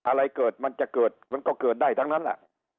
อะไรเกิดมันจะเกิดมันก็เกิดได้ทั้งนั้น